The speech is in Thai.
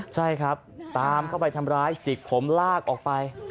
ใช่ครับตามเข้าไปทำร้ายจิกผมลากออกไป